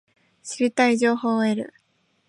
知りたい情報を得る